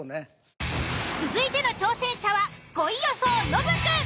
続いての挑戦者は５位予想ノブくん。